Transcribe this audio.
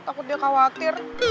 takut dia khawatir